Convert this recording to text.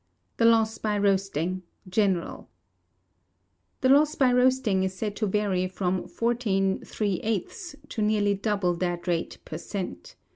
The Loss by Roasting (General). The loss by roasting is said to vary from 14 3/8ths to nearly double that rate per cent.